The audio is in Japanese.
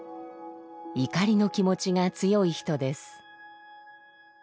怒りの気持ちが強い人です。